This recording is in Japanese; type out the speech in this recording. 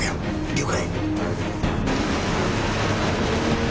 了解！